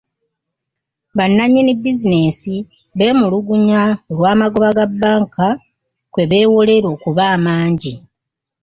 Ba nnanyini bizinesi bemulugunya olw'amagoba ga bank kwe beewolera okuba amangi.